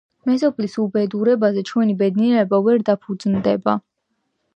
„მეზობლის უბედურებაზე ჩვენი ბედნიერება ვერ დაფუძნდება.“